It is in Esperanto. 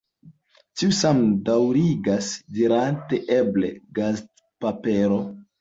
Tiu same daürigas dirante eble gazetpapero.